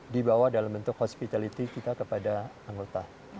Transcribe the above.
dibawa dalam bentuk hospitality kita kepada anggota